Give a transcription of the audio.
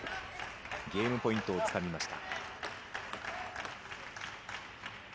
ゲームポイントをつかみました。